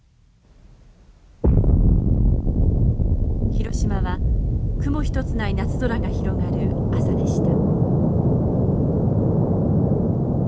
広島は雲一つない夏空が広がる朝でした。